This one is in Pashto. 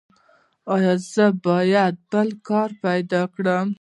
ایا زه باید بل کار پیدا کړم؟